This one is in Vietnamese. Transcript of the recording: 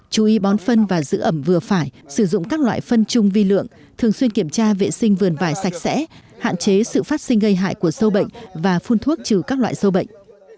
chú ý bón phân và giữ ẩm vừa phải sử dụng các loại phân chung vi lượng thường xuyên kiểm tra vệ sinh vườn vải sạch sẽ hạn chế sự phát sinh gây hại của sâu bệnh và phun thuốc trừ các loại sâu bệnh